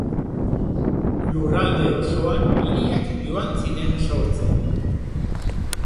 Lurralde osoan hiriak joan ziren sortzen.